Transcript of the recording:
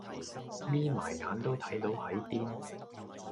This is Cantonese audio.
眯埋眼都睇到喺邊